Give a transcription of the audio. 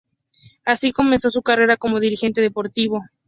Así comenzó su carrera como dirigente deportivo.